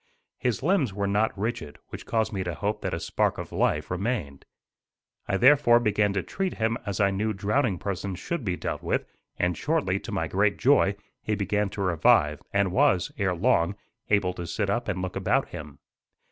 His limbs were not rigid, which caused me to hope that a spark of life remained. I therefore began to treat him as I knew drowning persons should be dealt with, and shortly, to my great joy, he began to revive and was, ere long, able to sit up and look about him.